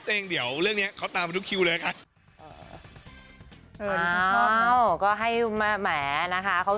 เต้งเดี๋ยวเรื่องนี้เขาตามทุกคิวเลยค่ะก็ให้แหมนะคะเขา